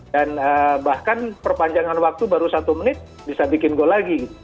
dan bahkan perpanjangan waktu baru satu menit bisa bikin goal lagi